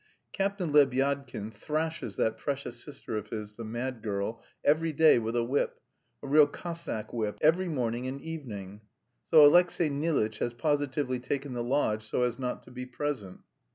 Captain Lebyadkin thrashes that precious sister of his, the mad girl, every day with a whip, a real Cossack whip, every morning and evening. So Alexey Nilitch has positively taken the lodge so as not to be present.